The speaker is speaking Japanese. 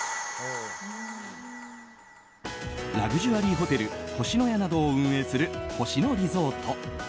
ラグジュアリーホテル星のやなどを運営する星野リゾート。